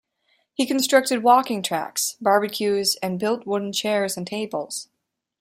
He constructed walking tracks, barbecues and built wooden chairs and tables.